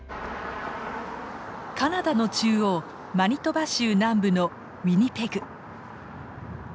カナダの中央マニトバ州南部のウィニペグ。